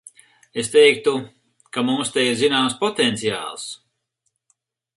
Es teiktu, ka mums te ir zināms potenciāls.